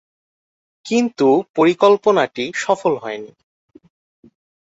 কিন্তু পরিকল্পনাটি সফল হয়নি।